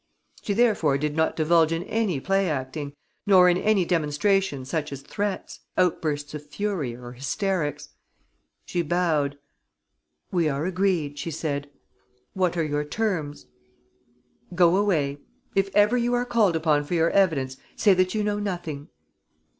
She therefore did not indulge in any play acting, nor in any demonstration such as threats, outbursts of fury or hysterics. She bowed: "We are agreed," she said. "What are your terms?" "Go away. If ever you are called upon for your evidence, say that you know nothing."